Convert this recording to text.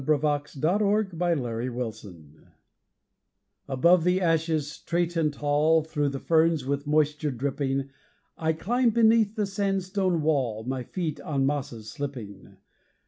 _ The Blue Mountains Above the ashes straight and tall, Through ferns with moisture dripping, I climb beneath the sandstone wall, My feet on mosses slipping.